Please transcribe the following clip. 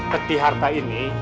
peti harta ini